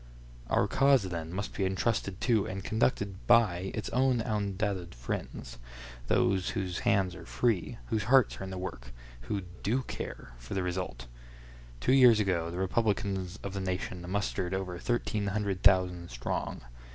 Our cause, then, must be entrusted to, and conducted by, its own undoubted friends—those whose hands are free, whose hearts are in the work—who do care for the result. Two years ago the Republicans of the nation mustered over thirteen hundred thousand strong.